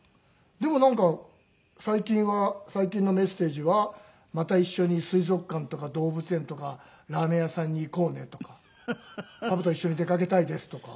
でもなんか最近は最近のメッセージは「また一緒に水族館とか動物園とかラーメン屋さんに行こうね」とか「パパと一緒に出かけたいです」とか。